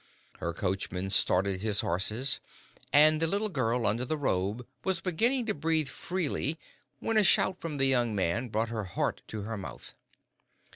Her coachman started his horses, and the little girl under the robe was beginning to breathe freely when a shout from the young man brought her heart to her mouth.